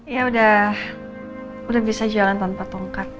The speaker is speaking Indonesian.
ya udah bisa jalan tanpa tongkat